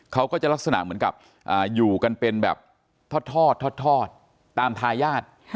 เขาก็จะลักษณะเหมือนกับอยู่กันเป็นแบบทอดตามทายาท